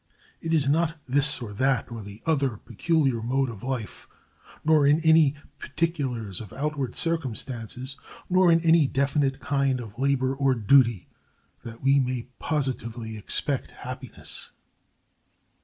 It is not this or that or the other peculiar mode of life, nor in any particulars of outward circumstances, nor in any definite kind of labor or duty, that we may positively expect happiness.